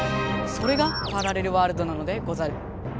それがパラレルワールドなのでござる。